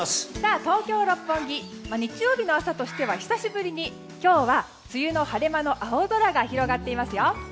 東京・六本木日曜日の朝としては久しぶりに今日は梅雨の晴れ間の青空が広がっていますよ。